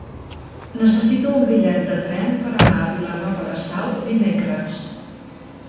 Necessito un bitllet de tren per anar a Vilanova de Sau dimecres.